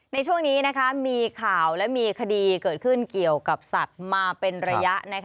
ในช่วงนี้มีข่าวและมีคดีเกิดขึ้นเกี่ยวกับสัตว์มาเป็นระยะ